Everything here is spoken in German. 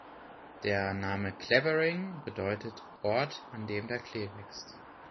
Der Name „Clavering“ bedeutet „Ort, an dem der Klee wächst“.